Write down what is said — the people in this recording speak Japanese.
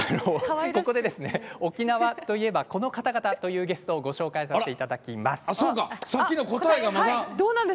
ここで沖縄といえばこの方々という方をご紹介させていただきます。